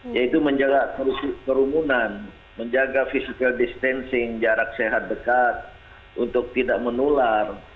yaitu menjaga kerumunan menjaga physical distancing jarak sehat dekat untuk tidak menular